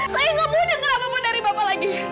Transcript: saya tidak mau dengar apa apa dari bapak lagi